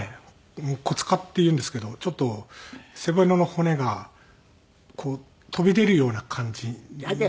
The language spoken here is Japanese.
骨化っていうんですけどちょっと背骨の骨がこう飛び出るような感じになるんですよね。